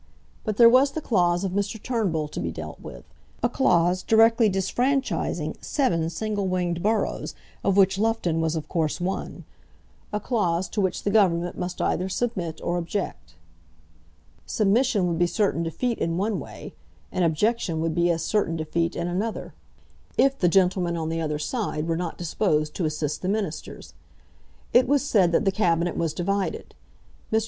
But there was the clause of Mr. Turnbull to be dealt with, a clause directly disfranchising seven single winged boroughs, of which Loughton was of course one, a clause to which the Government must either submit or object. Submission would be certain defeat in one way, and objection would be as certain defeat in another, if the gentlemen on the other side were not disposed to assist the ministers. It was said that the Cabinet was divided. Mr.